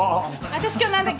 私今日なんだっけ？